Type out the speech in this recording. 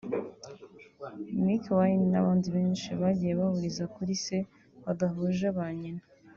Mikie Wine n’abandi benshi bagiye bahuriza kuri se badahuje ba nyina